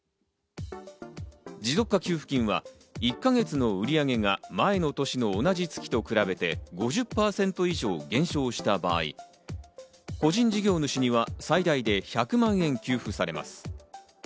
持続化給付金は１か月の売り上げが前の年の同じ月と比べて５０％以上減少した場合、個人事業主には最大で１００万円給付されます。